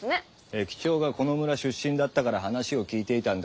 駅長がこの村出身だったから話を聞いていたんだ。